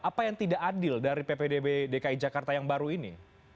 apa yang tidak adil dari ppdb dki jakarta yang baru ini